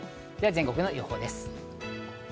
全国の予報です。